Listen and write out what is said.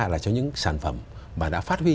là cho những sản phẩm mà đã phát huy